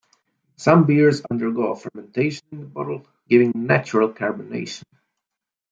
Some beers undergo a fermentation in the bottle, giving natural carbonation.